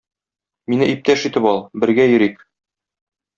Мине иптәш итеп ал, бергә йөрик.